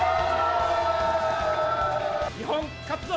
日本勝つぞ！